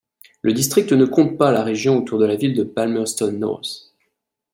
Le district ne compte pas la région autour de la ville de Palmerston North.